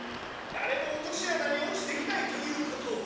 だれも落とし穴に落ちていないということは。